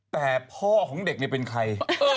แต่พ่อของเด็กเนี่ยเป็นใคร